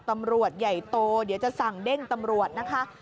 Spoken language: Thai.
ตำรวจใหญ่โตเดี๋ยวจะสั่งเด้งตำรวจนะคะ